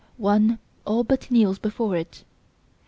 One all but kneels before it.